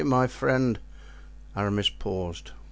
—my friend——" Aramis paused.